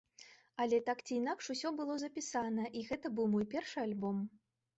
Але так ці інакш усё было запісана, і гэта быў мой першы альбом.